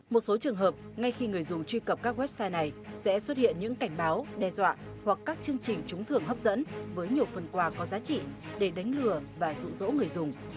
một số trường hợp ngay khi người dùng truy cập các website này sẽ xuất hiện những cảnh báo đe dọa hoặc các chương trình trúng thưởng hấp dẫn với nhiều phần quà có giá trị để đánh lừa và dụ dỗ người dùng